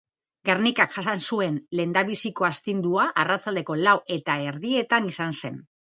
Gernikak jasan zuen lehendabiziko astindua arratsaldeko lau eta erdietan izan zen.